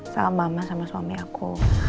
sama mama sama suami aku